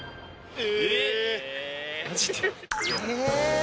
え。